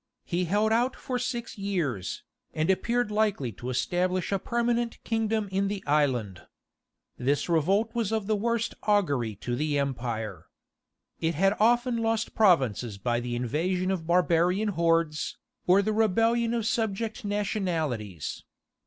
He held out for six years, and appeared likely to establish a permanent kingdom in the island. This revolt was of the worst augury to the empire. It had often lost provinces by the invasion of barbarian hordes, or the rebellion of subject nationalities.